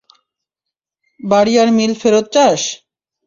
বাড়ি আর মিল ফেরত চাস?